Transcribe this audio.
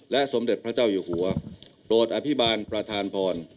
สมเด็จพระเจ้าอยู่หัวโปรดอภิบาลประธานพร